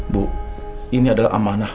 bu ini adalah amanah